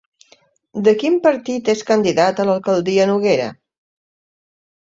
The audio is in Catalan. De quin partit és candidat a l'alcaldia Noguera?